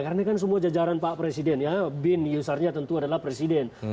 karena kan semua jajaran pak presiden ya bin yusarnya tentu adalah presiden